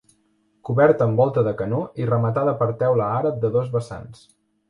Coberta amb volta de canó i rematada per teula àrab de dos vessants.